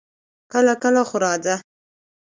کله کله خو راځه!